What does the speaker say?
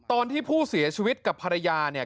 ตอนที่ผู้เสียชีวิตกับภรรยาเนี่ย